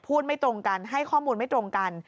ไม่ตรงกันให้ข้อมูลไม่ตรงกัน